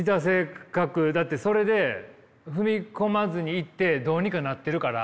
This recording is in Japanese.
だってそれで踏み込まずにいってどうにかなってるから。